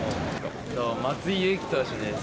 松井裕樹投手です。